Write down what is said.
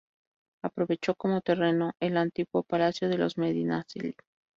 Aprovechó como terreno el antiguo palacio de los Medinaceli.